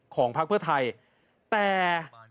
ของภาคเพื่อไทยแต่